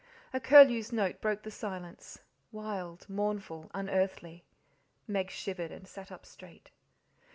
A curlew's note broke the silence, wild, mournful, unearthly. Meg shivered, and sat up straight.